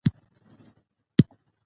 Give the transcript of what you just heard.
او د الله شکر او ستاینه یې وکړه.